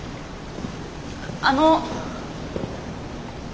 あの。